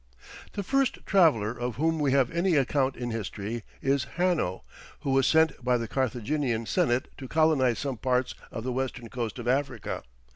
The first traveller of whom we have any account in history, is Hanno, who was sent by the Carthaginian senate to colonize some parts of the Western coast of Africa.